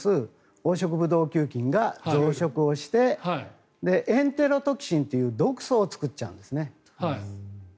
黄色ブドウ球菌が増殖をしてエンテロトキシンという毒素を作っちゃうんですね。